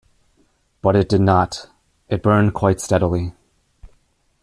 But it did not: it burned quite steadily.